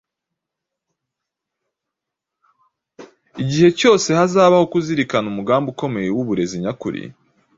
Igihe cyose hazabaho kuzirikana umugambi ukomeye w’uburezi nyakuri,